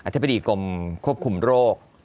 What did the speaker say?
ธิบดีกรมควบคุมโรค